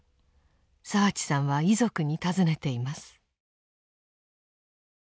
澤地さんは遺族に尋ねています。